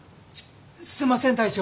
すんません大将。